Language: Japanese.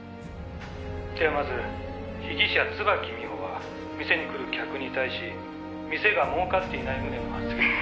ではまず被疑者椿美穂は店に来る客に対し店が儲かっていない旨の発言を」